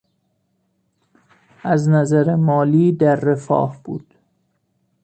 از نظر مالی در رفاه بود.